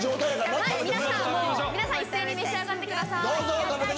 皆さん一斉に召し上がってください。